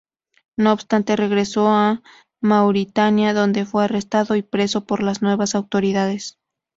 No obstante regresó a Mauritania donde fue arrestado y preso por las nuevas autoridades.